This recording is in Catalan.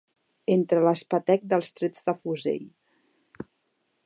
Entre l'espetec dels trets de fusell